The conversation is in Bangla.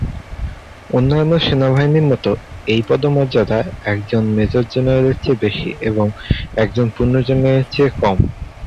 অন্যান্য সেনাবাহিনীর মতো, এই পদমর্যাদা, একজন মেজর জেনারেলের চেয়ে বেশি এবং একজন পূর্ণ জেনারেলের চেয়ে কম।